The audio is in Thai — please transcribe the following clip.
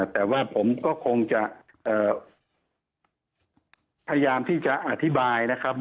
แต่ว่าผมก็คงจะพยายามที่จะอธิบายนะครับ